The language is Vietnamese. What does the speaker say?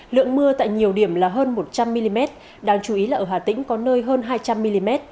lượng mưa tại nhiều điểm là hơn một trăm linh mm đáng chú ý là ở hà tĩnh có nơi hơn hai trăm linh mm